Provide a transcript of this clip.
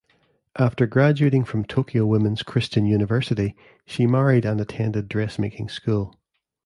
After graduating from Tokyo Women's Christian University, she married and attended dress-making school.